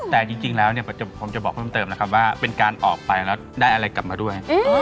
แต่จริงแล้วผมจะบอกเพิ่มเติมนะครับว่าเป็นการออกไปแล้วได้อะไรกลับมาด้วย